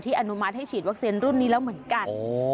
อนุมัติให้ฉีดวัคซีนรุ่นนี้แล้วเหมือนกัน